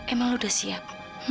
emang lu udah siap